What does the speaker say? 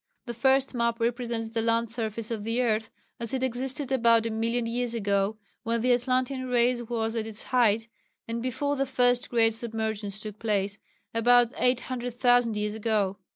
The first map represents the land surface of the earth as it existed about a million years ago, when the Atlantean Race was at its height, and before the first great submergence took place about 800,000 years ago.